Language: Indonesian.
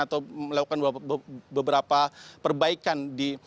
atau melakukan beberapa perbaikan